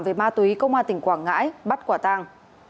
về ma túy công an tỉnh quảng ngãi bắt quả tàng